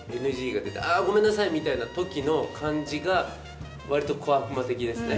ＮＧが出た、あー、ごめんなさいみたいなときの感じが、わりと小悪魔的ですね。